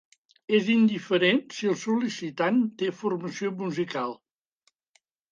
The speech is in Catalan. És indiferent si el sol·licitant té formació musical.